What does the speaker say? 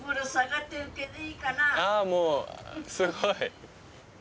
ああもうすごい。